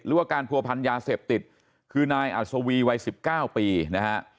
หรือว่าการผัวพันยาเสพติดคือนายอัศวีวัย๑๙ปีนะฮะ